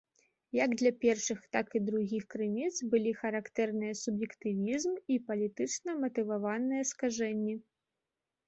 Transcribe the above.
Як для першых, так і другіх крыніц былі характэрныя суб'ектывізм і палітычна матываваныя скажэнні.